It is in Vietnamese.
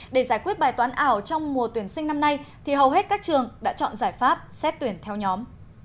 để giải quyết bài toán ảo trong mùa tuyển sinh năm nay thì hầu hết các trường đã chọn giải pháp xét tuyển theo nhóm